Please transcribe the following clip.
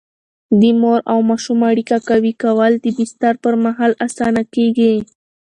د مور او ماشوم اړیکه قوي کول د بستر پر مهال اسانه کېږي.